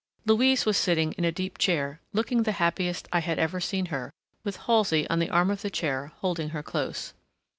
Louise was sitting in a deep chair, looking the happiest I had ever seen her, with Halsey on the arm of the chair, holding her close.